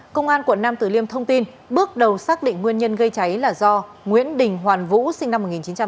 công an quận nam tử liêm thông tin bước đầu xác định nguyên nhân gây cháy là do nguyễn đình hoàn vũ sinh năm một nghìn chín trăm tám mươi